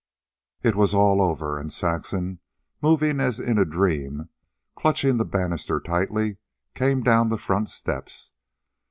It was all over, and Saxon, moving as in a dream, clutching the banister tightly, came down the front steps.